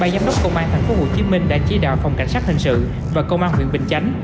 ba giám đốc công an tp hcm đã chỉ đạo phòng cảnh sát hình sự và công an huyện bình chánh